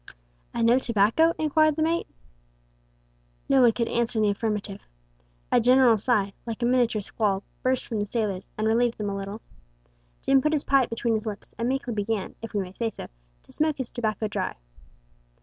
"And no tobacco?" inquired the mate. No one could answer in the affirmative. A general sigh like a miniature squall burst from the sailors, and relieved them a little. Jim put his pipe between his lips, and meekly began, if we may say so, to smoke his tobacco dry.